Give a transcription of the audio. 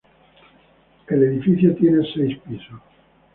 El edificio tiene seis pisos.